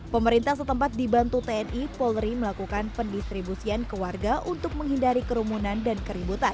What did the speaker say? pemerintah setempat dibantu tni polri melakukan pendistribusian ke warga untuk menghindari kerumunan dan keributan